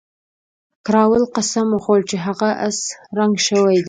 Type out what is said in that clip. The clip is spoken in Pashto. کراول قسم وخوړ چې هغه اس رنګ شوی دی.